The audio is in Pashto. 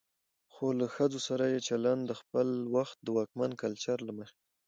خو له ښځو سره يې چلن د خپل وخت د واکمن کلچر له مخې